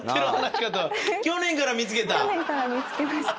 去年から見つけた？